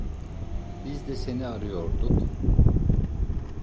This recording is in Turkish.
Biz de seni arıyorduk.